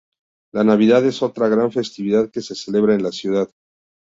La Navidad es otra gran festividad que se celebra en la ciudad.